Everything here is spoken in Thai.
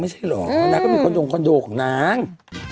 ไม่ใช่เหรอเพราะนางก็มีคอนโดงคอนโดของนาง